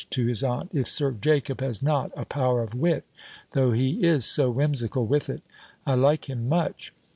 to his aunt, "if Sir Jacob has not a power of wit; though he is so whimsical with it. I like him much."